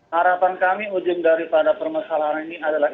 harapan kami ujung dari pada permasalahan ini adalah